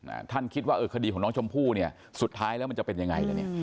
ท่านคิดว่าเออคดีของน้องชมพู่เนี่ยสุดท้ายแล้วมันจะเป็นยังไงแล้วเนี้ย